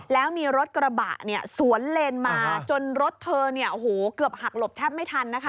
แล้วมีรถกระบะสวนเลนมาจนรถเธอเกือบหักหลบแทบไม่ทัน